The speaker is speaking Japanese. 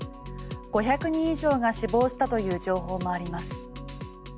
５００人以上が死亡したという情報もあります。